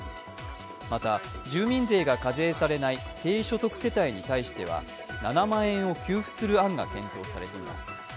また住民税が課税されない低所得世帯に対しては７万円を給付する案が検討されています。